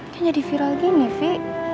kan jadi viral gini ve